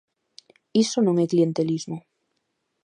Iso non é clientelismo.